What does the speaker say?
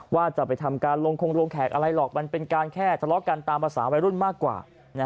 ว่าจะไปทำการลงคงลงแขกอะไรหรอกมันเป็นการแค่ทะเลาะกันตามภาษาวัยรุ่นมากกว่า